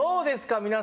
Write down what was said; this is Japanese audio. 皆さん。